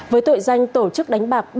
với tội danh tổ chức đánh bạc